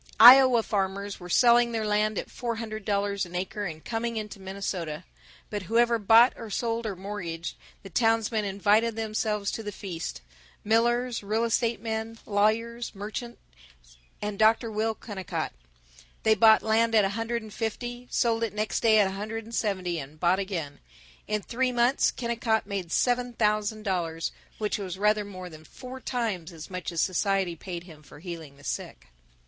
Iowa farmers were selling their land at four hundred dollars an acre and coming into Minnesota. But whoever bought or sold or mortgaged, the townsmen invited themselves to the feast millers, real estate men, lawyers, merchants, and Dr. Will Kennicott. They bought land at a hundred and fifty, sold it next day at a hundred and seventy, and bought again. In three months Kennicott made seven thousand dollars, which was rather more than four times as much as society paid him for healing the sick.